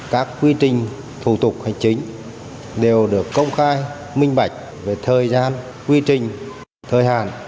các quy trình thủ tục hành chính đều được công khai minh bạch về thời gian quy trình thời hạn